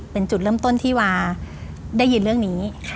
เป็นจุดเริ่มต้นที่วาได้ยินเรื่องนี้